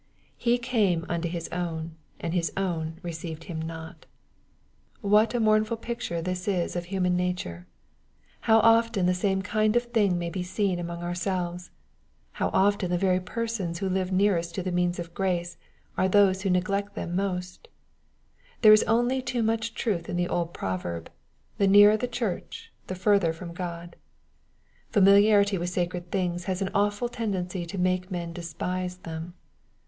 " He came unto his own, and his own received him not." What a mournful pic ture this is of humaofhature ! How often the same kind of thing may be seen among ourselves 1 How often the very persons who live nearest to the means of grace are those who neglect them mosn ^ There is only too much truth in the old proverb, " The nearer the church the further from God." Familiarity with sacred things has an awful tendency to make men despise them.